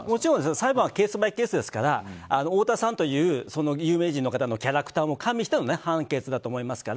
裁判はケースバイケースですから太田さんという有名人のキャラクターも加味しての判決だと思いますから。